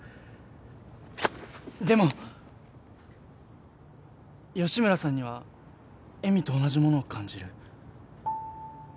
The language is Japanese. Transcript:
でも吉村さんには恵美と同じものを感じる。